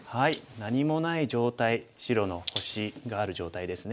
何もない状態白の星がある状態ですね。